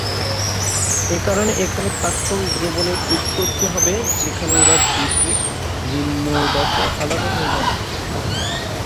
এ কারণে এখানে প্রাক্তন দ্রবণের উৎপত্তি হবে যেখানে এরা দুইটি ভিন্ন দশায় আলাদা হয়ে যাবে।